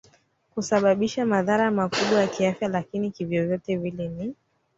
kusababisha madhara makubwa ya kiafya lakini kivyovyote vile ni